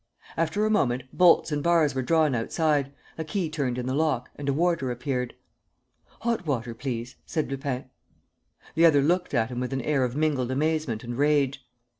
After a moment, bolts and bars were drawn outside, a key turned in the lock and a warder appeared. "Hot water, please," said Lupin. The other looked at him with an air of mingled amazement and rage.